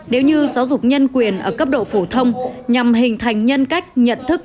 nếu như giáo dục nhân quyền ở cấp độ phổ thông nhằm hình thành nhân cách nhận thức